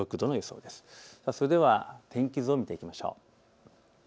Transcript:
それでは天気図を見ていきましょう。